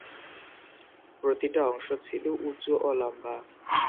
প্রতিটা অংশ ছিল উঁচু ও লম্বা।